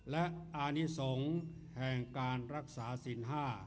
และอานิสงฆ์แห่งการรักษาสิน๕